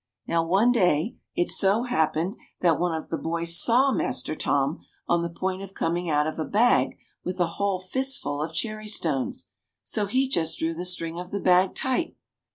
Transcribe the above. Now one day it so happened that one of the boys saw Master Tom on the point of coming out of a bag with a whole fistful of cherry stones. So he just drew the string of the bag tight.